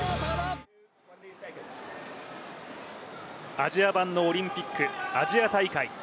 アジア版のオリンピック、アジア大会。